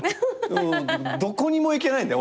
どこにも行けないんだよ